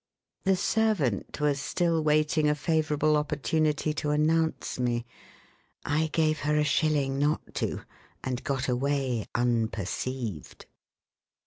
The servant was still waiting a favourable opportunity to announce me. I gave her a shilling not to, and got away unperceived.